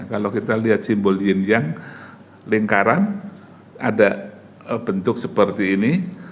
kalau kita lihat simbol in yang lingkaran ada bentuk seperti ini